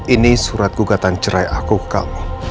ini surat gugatan cerai aku ke kamu